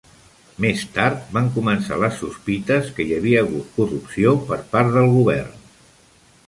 Més tard, van començar les sospites que hi havia hagut corrupció per part del govern.